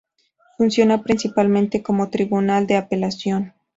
Funciona principalmente como un tribunal de apelación.